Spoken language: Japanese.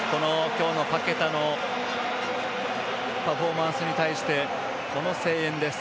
今日のパケタのパフォーマンスに対して声援です。